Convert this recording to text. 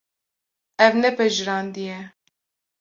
Ev ne pejirandî ye.